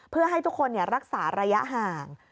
เพื่อให้ทุกคนรักษาระยะห่าง